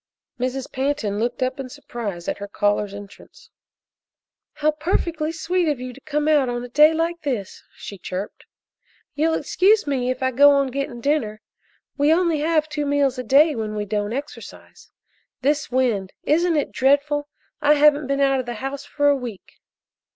Mrs. Pantin looked up in surprise at her caller's entrance. "How perfectly sweet of you to come out a day like this!" she chirped. "You'll excuse me if I go on getting dinner? We only have two meals a day when we don't exercise. This wind isn't it dreadful? I haven't been out of the house for a week."